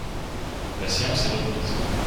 La séance est reprise.